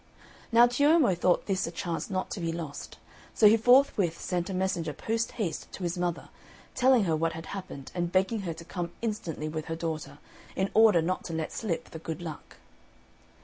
Now Ciommo thought this a chance not to be lost; so he forthwith sent a messenger post haste to his mother, telling her what had happened, and begging her to come instantly with her daughter, in order not to let slip the good luck.